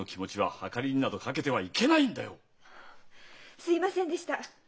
すいませんでした。